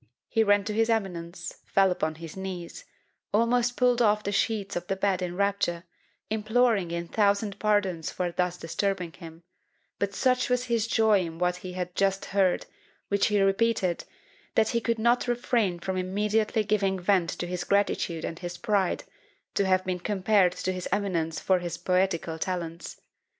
He ran to his eminence, fell upon his knees, almost pulled off the sheets of the bed in rapture, imploring a thousand pardons for thus disturbing him; but such was his joy in what he had just heard, which he repeated, that he could not refrain from immediately giving vent to his gratitude and his pride, to have been compared with his eminence for his poetical talents!